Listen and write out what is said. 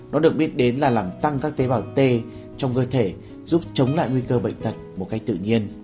nó được biết đến là làm tăng các tế bào t trong cơ thể giúp chống lại nguy cơ bệnh tật một cách tự nhiên